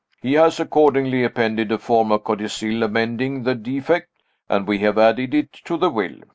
He has accordingly appended a form of codicil amending the defect, and we have added it to the will.